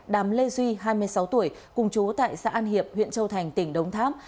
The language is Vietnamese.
đàm lê duy hai mươi sáu tuổi cùng chú tại xã an hiệp huyện châu thành tỉnh đống tháp